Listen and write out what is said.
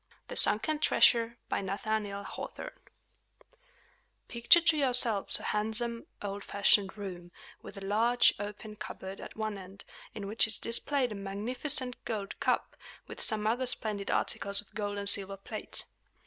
THE SUNKEN TREASURE By Nathaniel Hawthorne Picture to yourselves a handsome, old fashioned room, with a large, open cupboard at one end, in which is displayed a magnificent gold cup, with some other splendid articles of gold and silver plate.